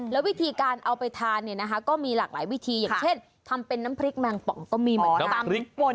แล้ววิธีการเอาไปทานเนี่ยนะคะก็มีหลากหลายวิธีอย่างเช่นทำเป็นน้ำพริกแมงป่องก็มีเหมือนกัน